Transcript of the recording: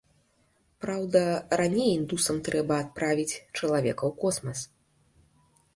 Праўда, раней індусам трэба адправіць чалавека ў космас.